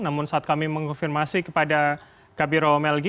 namun saat kami mengkonfirmasi kepada kabiro melgi